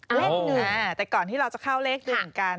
แล้วแต่ก่อนที่เราจะเข้าเลข๑กัน